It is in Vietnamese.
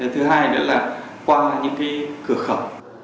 thứ hai đó là qua những cái cửa khẩu